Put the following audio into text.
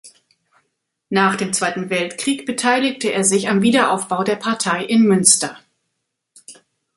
Nach dem Zweiten Weltkrieg beteiligte er sich am Wiederaufbau der Partei in Münster.